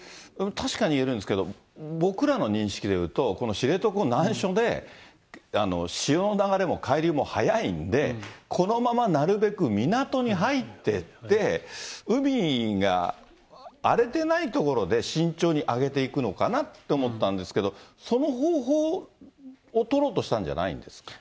確かに言えるんですけど、僕らの認識で言うと、この知床、難所で、潮の流れも海流も速いんで、このままなるべく港に入ってって、海が荒れてない所で慎重に上げていくのかなって思ったんですが、その方法を取ろうとしたんじゃないんですか？